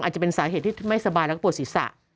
อาจจะเป็นสาเหตุที่ไม่สบายแล้วก็ปวดศีรษะ